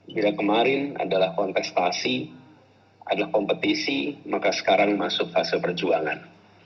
bila kemarin adalah kontestasi adalah kompetisi maka sekarang masuk fase perjuangan